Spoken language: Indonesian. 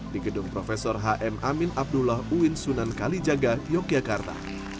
di gedung profesor h m amin abdullah uwin sunan kalijaga yogyakarta